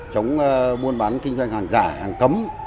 chống buôn bán kinh doanh hàng giả hàng cấm